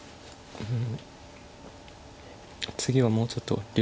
うん。